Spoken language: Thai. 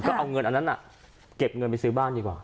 ก็เอาเงินอันนั้นเก็บเงินไปซื้อบ้านดีกว่า